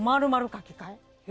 書き換え？